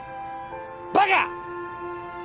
バカ！